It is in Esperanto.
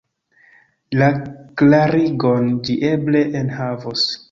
La klarigon ĝi eble enhavos.